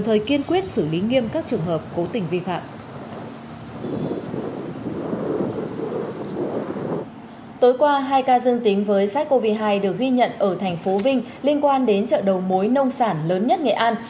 tối qua hai ca dương tính với sars cov hai được ghi nhận ở thành phố vinh liên quan đến chợ đầu mối nông sản lớn nhất nghệ an